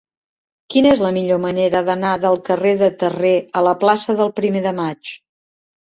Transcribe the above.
Quina és la millor manera d'anar del carrer de Terré a la plaça del Primer de Maig?